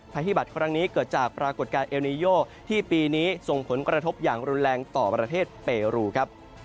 ฮิบัตรครั้งนี้เกิดจากปรากฏการณ์เอลนีโยที่ปีนี้ส่งผลกระทบอย่างรุนแรงต่อประเทศเปรูครับ